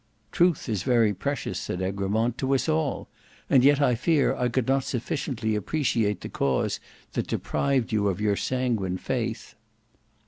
"Truth is very precious," said Egremont, "to us all; and yet I fear I could not sufficiently appreciate the cause that deprived you of your sanguine faith."